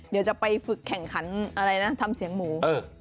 เดี๋ยวจะไปฝึกแข่งขันอะไรนะทำเสียงหมู